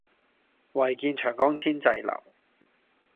唯見長江天際流